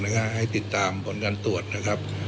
ให้ติดตามผลการตรวจนะครับ